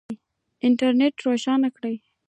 انټرنېټ روښانه کړئ